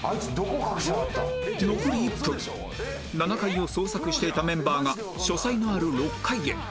７階を捜索していたメンバーが書斎のある６階へ